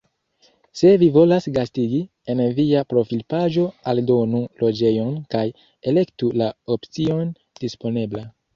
Se vi volas gastigi, en via profilpaĝo aldonu loĝejon kaj elektu la opcion Disponebla.